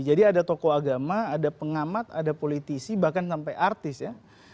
jadi ada tokoh agama ada pengamat ada politisi bahkan sampai artis ya